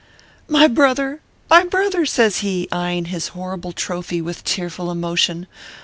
"My brother! my brother!" says he, eyeing his horrible trophy with tearful emotion.